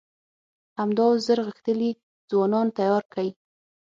همدا اوس زر غښتلي ځوانان تيار کئ!